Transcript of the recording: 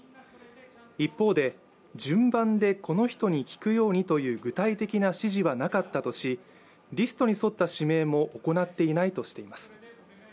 一方で、順番でこの人に聞くようにといった具体的な指示はなかったとしリストに沿った指名も行っていないとしています。